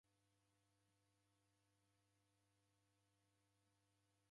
Ngelo ra mruke nadakunda kubung'a